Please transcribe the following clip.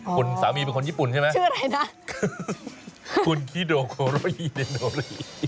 คุณสามีเป็นคนญี่ปุ่นใช่ไหมคุณฮิโรโคโรฮิเดโนริชื่ออะไรนะ